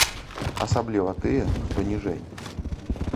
Асабліва тыя, хто ніжэй.